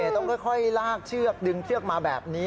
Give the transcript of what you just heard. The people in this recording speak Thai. ต้องค่อยลากเชือกดึงเชือกมาแบบนี้